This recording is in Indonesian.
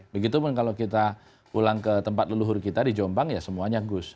begitupun kalau kita pulang ke tempat leluhur kita di jombang ya semuanya gus